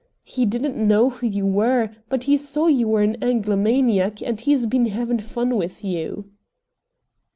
"He didn't know who you were, but he saw you were an Anglomaniac, and he's been having fun with you!"